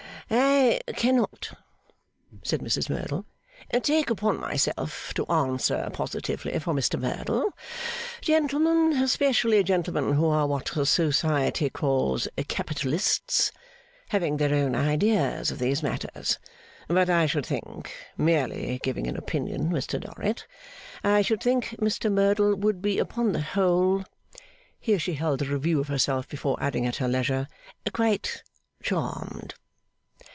'I cannot,' said Mrs Merdle, 'take upon myself to answer positively for Mr Merdle; gentlemen, especially gentlemen who are what Society calls capitalists, having their own ideas of these matters. But I should think merely giving an opinion, Mr Dorrit I should think Mr Merdle would be upon the whole,' here she held a review of herself before adding at her leisure, 'quite charmed.